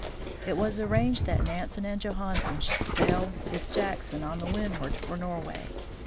It was arranged that Nansen and Johansen should sail with Jackson on the Windward for Norway.